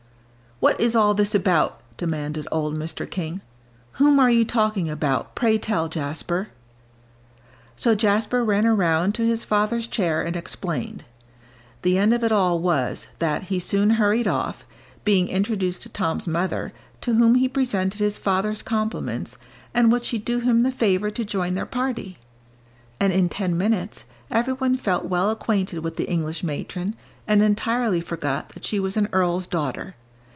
"What is all this about?" demanded old Mr. King; "whom are you talking about, pray tell, Jasper?" So Jasper ran around to his father's chair and explained. The end of it all was, that he soon hurried off, being introduced to Tom's mother, to whom he presented his father's compliments, and would she do him the favour to join their party? And in ten minutes, every one felt well acquainted with the English matron, and entirely forgot that she was an earl's daughter.